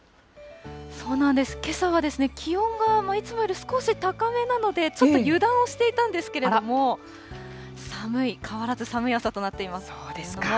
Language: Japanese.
そうなんです、けさは気温がいつもより少し高めなので、ちょっと油断をしていたんですけれども、寒い、変わらず寒い朝となっています。